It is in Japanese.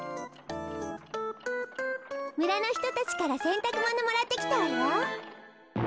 むらのひとたちからせんたくものもらってきたわよ。